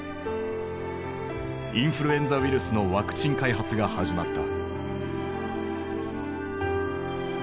インフルエンザウイルスのワクチン開発が始まった。